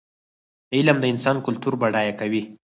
علم د انسان کلتور بډای کوي.